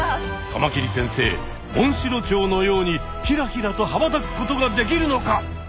カマキリ先生モンシロチョウのようにひらひらとはばたくことができるのか？